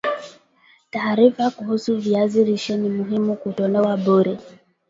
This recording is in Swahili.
Taarifa kuhusu viazi lishe ni muhimu kutolewa bure